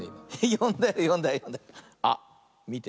よんだよよんだよよんだよ。あっみて。